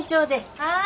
はい。